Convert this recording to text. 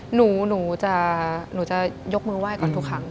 หนูจะยกมือไหว้ก่อนทุกครั้ง